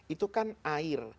itu kan air